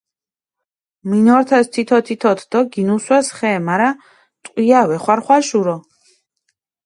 მინორთეს თითო-თითოთ დო გინუსვეს ხე, მარა ტყვია ვეხვარხვალ შურო.